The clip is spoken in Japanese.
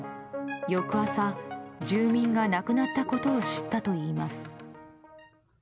翌朝、住民が亡くなったことを知ったといいます。